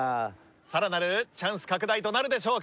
更なるチャンス拡大となるでしょうか？